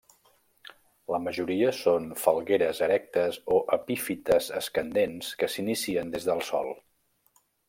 La majoria són falgueres erectes o epífites escandents que s'inicien des del sòl.